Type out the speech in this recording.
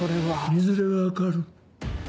いずれ分かる。